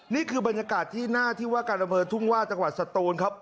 นี่คือบรรยากาศที่หน้าที่ว่าการอำเภอทุ่งว่าจังหวัดสตูนครับ